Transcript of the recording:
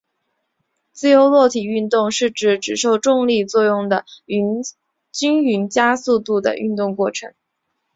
自由落体运动是指只受重力作用的均匀加速度运动过程。